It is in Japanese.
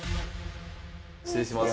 失礼します。